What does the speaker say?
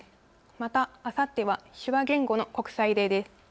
またあさっては手話言語の国際デーです。